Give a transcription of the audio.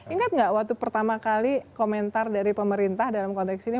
ingat nggak waktu pertama kali komentar dari pemerintah dalam konteks ini